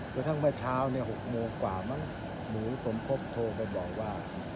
กระทั่งเมื่อเช้า๖โมงกว่ามั้งหนูสมพบโทรไปบอกว่า